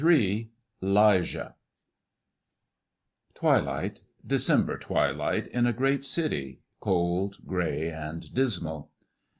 III 'LIJAH Twilight, December twilight in a great city, cold gray and dismal.